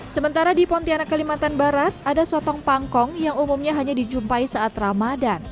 sementara di pontianak kalimantan barat ada sotong pangkong yang umumnya hanya dijumpai saat ramadan